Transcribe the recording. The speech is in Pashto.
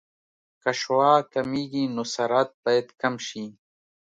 که شعاع کمېږي نو سرعت باید کم شي